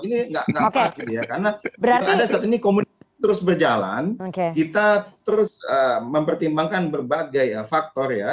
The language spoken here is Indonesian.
ini tidak pas karena saat ini komunitas terus berjalan kita terus mempertimbangkan berbagai faktor ya